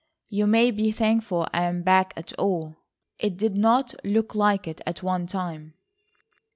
"You may be thankful I'm back at all. It did not look like it, at one time."